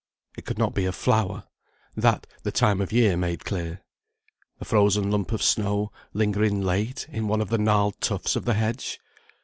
It could not be a flower; that, the time of year made clear. A frozen lump of snow, lingering late in one of the gnarled tufts of the hedge?